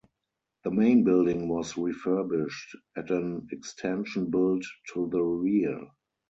The main building was refurbished, and an extension built to the rear.